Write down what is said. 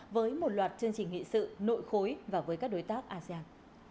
với một loạt chương trình nghị sự nội khối và với các đối tác asean